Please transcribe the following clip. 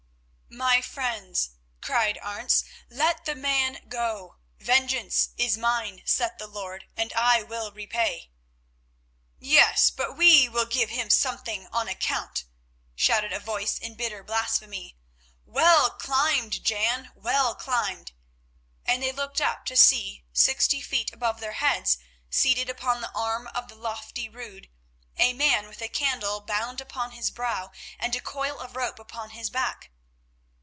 "My friends," cried Arentz, "let the man go. Vengeance is mine, saith the Lord, and I will repay." "Yes, but we will give him something on account," shouted a voice in bitter blasphemy. "Well climbed, Jan, well climbed," and they looked up to see, sixty feet above their heads, seated upon the arm of the lofty Rood, a man with a candle bound upon his brow and a coil of rope upon his back.